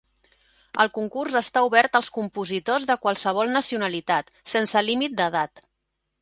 El concurs està obert als compositors de qualsevol nacionalitat, sense límit d’edat.